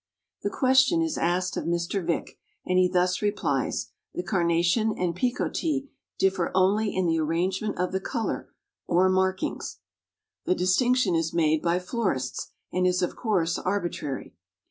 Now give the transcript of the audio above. The question is asked of Mr. Vick, and he thus replies: "The Carnation and Picotee differ only in the arrangement of the color, or markings. The distinction is made by florists, and is of course arbitrary.